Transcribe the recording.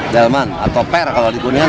dapat diinformasikan untuk